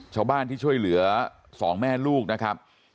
ชาวบ้านที่ช่วยเหลือ๒แม่ลูกนะครับ